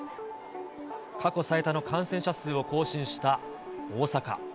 過去最多の感染者数を更新した大阪。